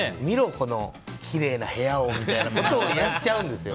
このきれいな部屋をみたいなことをやっちゃうんです。